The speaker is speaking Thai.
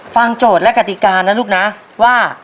โจทย์และกติกานะลูกนะว่า